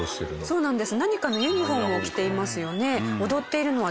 そうなんです。